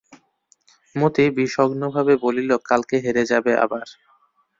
মতি বিষগ্নভাবে বলিল, কালকে হেরে যাবে আবার।